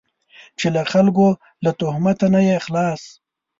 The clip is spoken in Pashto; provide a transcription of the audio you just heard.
چې له خلکو له تهمته نه یې خلاص.